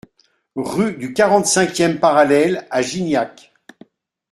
Rue du quarante-cinq e Parallèle à Gignac